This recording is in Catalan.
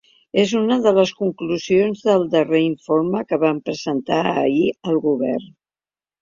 És una de les conclusions del darrer informe que va presentar ahir al govern.